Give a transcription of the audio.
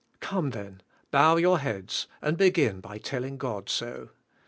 Come then, bow your heads and begin by telling God so.